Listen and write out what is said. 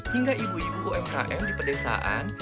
hingga ibu ibu umkm di pedesaan